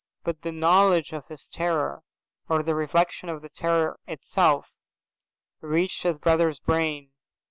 But the knowledge of his terror, or the reflection of the terror itself, reached his brother's brain.